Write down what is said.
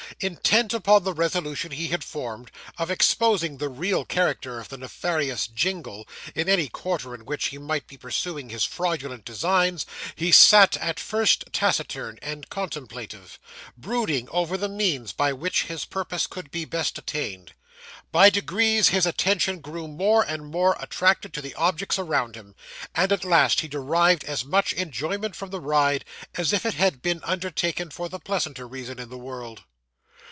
Intent upon the resolution he had formed, of exposing the real character of the nefarious Jingle, in any quarter in which he might be pursuing his fraudulent designs, he sat at first taciturn and contemplative, brooding over the means by which his purpose could be best attained. By degrees his attention grew more and more attracted by the objects around him; and at last he derived as much enjoyment from the ride, as if it had been undertaken for the pleasantest reason in the world.